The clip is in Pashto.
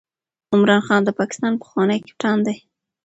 عمران خان د پاکستان پخوانی کپتان دئ.